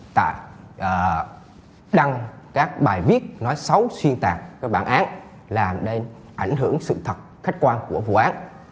tại đăng các bài viết nói xấu xuyên tạc các bản án làm nên ảnh hưởng sự thật khách quan của vụ án